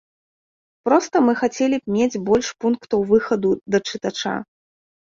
Проста мы хацелі б мець больш пунктаў выхаду да чытача.